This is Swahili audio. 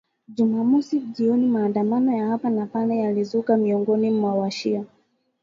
Jumamosi jioni maandamano ya hapa na pale yalizuka miongoni mwa washia